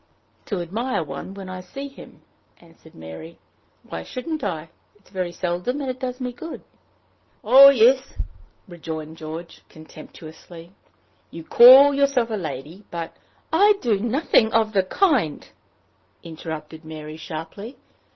"To admire one when I see him," answered Mary. "Why shouldn't I? It is very seldom, and it does me good." "Oh, yes!" rejoined George, contemptuously. "You call yourself a lady, but " "I do nothing of the kind," interrupted Mary, sharply.